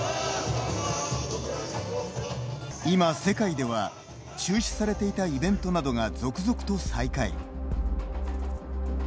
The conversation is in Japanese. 今、世界では中止されていたイベントなどが続々と再開。